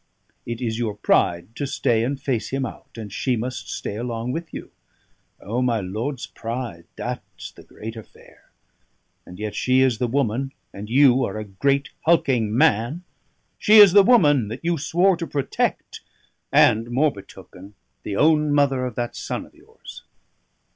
It is your pride to stay and face him out, and she must stay along with you. O! my lord's pride that's the great affair! And yet she is the woman, and you are a great hulking man! She is the woman that you swore to protect; and, more betoken, the own mother of that son of yours!"